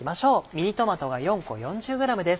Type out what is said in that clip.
ミニトマトが４個４０ｇです。